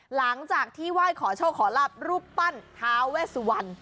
หลังจากที่ไหว้ขอโชคขอรับรูปปั้นท้าเวสวัน